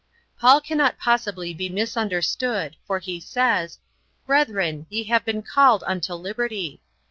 Paul cannot possibly be misunderstood for he says: "Brethren, ye have been called unto liberty."